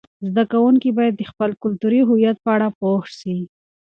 زده کوونکي باید د خپل کلتوري هویت په اړه پوه سي.